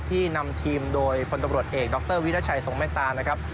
ที่นำทีมโดยพลตำรวจเอกด๊อกเตอร์วิรัชัยทรงม่ายตานะครับ